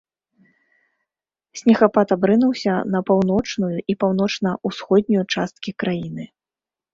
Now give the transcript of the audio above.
Снегапад абрынуўся на паўночную і паўночна-ўсходнюю часткі краіны.